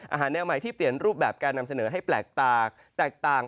อาหารแนวใหม่ที่เปลี่ยนรูปแบบการนำเสนอให้แปลกต่าง